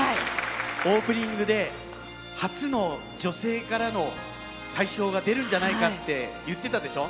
オープニングで初の女性からの大賞が出るんじゃないかって言ってたでしょ。